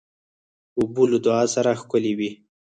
اوبه له دعا سره ښکلي وي.